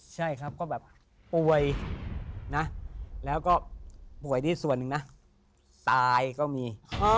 ใช่ครับก็แบบป่วยนะแล้วก็ป่วยนี่ส่วนหนึ่งนะตายก็มี